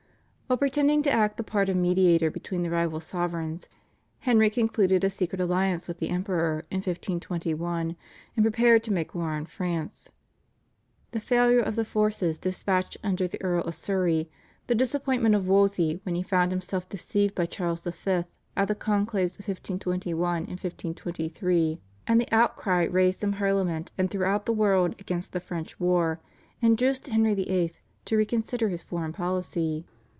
While pretending to act the part of mediator between the rival sovereigns, Henry concluded a secret alliance with the Emperor in 1521, and prepared to make war on France. The failure of the forces dispatched under the Earl of Surrey, the disappointment of Wolsey when he found himself deceived by Charles V. at the conclaves of 1521 and 1523, and the outcry raised in Parliament and throughout the country against the French war, induced Henry VIII. to reconsider his foreign policy.